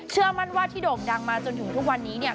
เชื่อมั่นว่าที่โด่งดังมาจนถึงทุกวันนี้เนี่ย